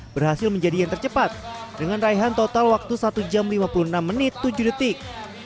berhasil menjadi yang tercepat dengan raihan total waktu satu jam lima puluh enam menit tujuh detik